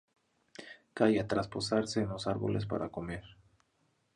Calla tras posarse en los árboles para comer.